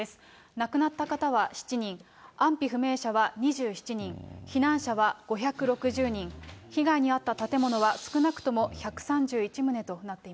亡くなった方は７人、安否不明者は２７人、避難者は５６０人、被害に遭った建物は少なくとも１３１棟となっています。